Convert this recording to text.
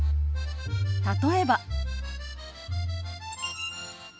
例えば。